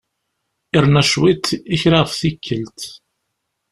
Yerna cwiṭ yekri ɣef tikkelt.